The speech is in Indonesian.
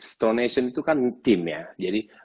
strong nation itu kan team ya